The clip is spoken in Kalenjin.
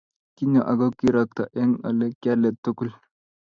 kinyo ago kirokto eng olegiale tuguk